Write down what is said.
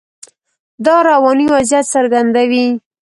دا رواني وضعیت څرګندوي.